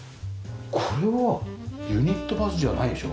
これはユニットバスじゃないでしょ？